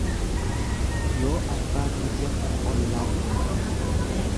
Yoo abbaan iyyate ollaan birmata.